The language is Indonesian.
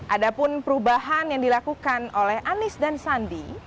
ada pun perubahan yang dilakukan oleh anies dan sandi